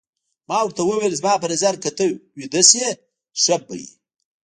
ما ورته وویل: زما په نظر که ته ویده شې ښه به وي.